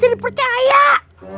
hah keterlaluan sih ajeng